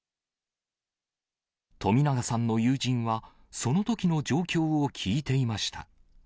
冨永さんの友人は、そのときの状況を聞いていました。